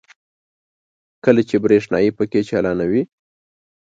کله چې برېښنايي پکې چالانوي.